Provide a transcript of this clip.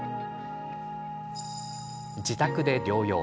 自宅で療養。